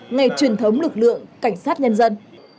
ngày truyền thống lực lượng cảnh sát nhân dân